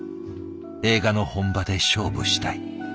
映画の本場で勝負したい。